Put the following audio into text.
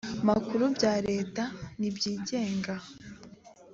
makuru bya leta n iby igenga